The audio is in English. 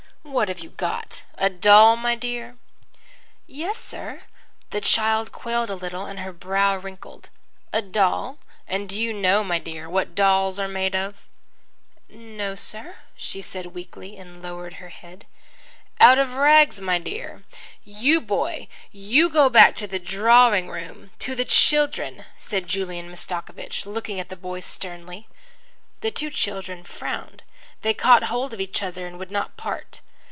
"What have you got, a doll, my dear?" "Yes, sir." The child quailed a little, and her brow wrinkled. "A doll? And do you know, my dear, what dolls are made of?" "No, sir," she said weakly, and lowered her head. "Out of rags, my dear. You, boy, you go back to the drawing room, to the children," said Julian Mastakovich looking at the boy sternly. The two children frowned. They caught hold of each other and would not part.